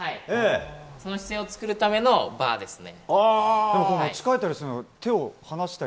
その姿勢を作るためのバーですね。